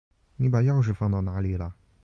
你把钥匙放到哪里了？